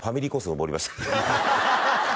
登りました